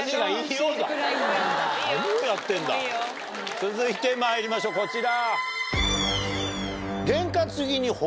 続いてまいりましょうこちら。